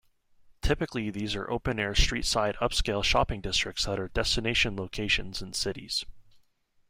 Typically these are open-air street-side upscale shopping districts that are destination locations in cities.